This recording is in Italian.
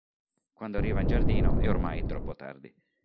Quando arriva in giardino è ormai troppo tardi.